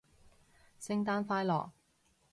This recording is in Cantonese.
聖誕快樂